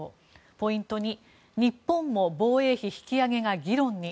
ポイント２日本も防衛費引き上げが議論に。